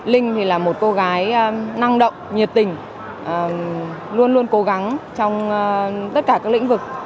linh thì là một cô gái năng động nhiệt tình luôn luôn cố gắng trong tất cả các lĩnh vực